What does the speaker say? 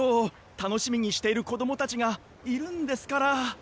たのしみにしているこどもたちがいるんですから。